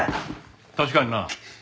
確かにな